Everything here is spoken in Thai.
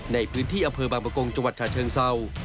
ในพื้นที่อำเภอบางประกงจังหวัดฉะเชิงเศร้า